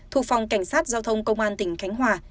thuộc phòng cảnh sát giao thông công an tỉnh khánh hòa